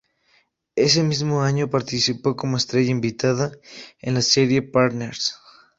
Ese mismo año participó como estrella invitada en la serie "Partners".